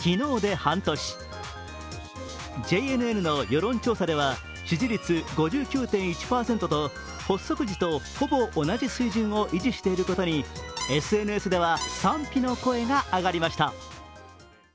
ＪＮＮの世論調査では支持率５９．１％と発足時とほぼ同じ水準を維持していることにＳＮＳでは賛否の声が上がりました。